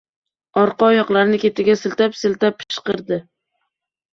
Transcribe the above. Orqa oyoqlarini ketiga siltab-siltab pishqirdi.